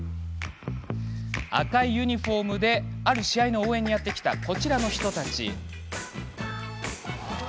赤いユニフォームで、ある試合の応援にやって来たこちらの人たち。